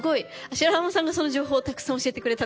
白濱さんがその情報たくさん教えてくれたんですけど。